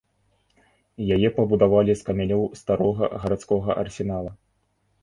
Яе пабудавалі з камянёў старога гарадскога арсенала.